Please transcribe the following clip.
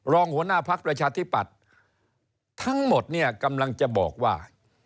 หัวหน้าพักประชาธิปัตย์ทั้งหมดเนี่ยกำลังจะบอกว่า